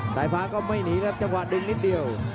สายฟ้าก็ไม่หนีครับจังหวะดึงนิดเดียว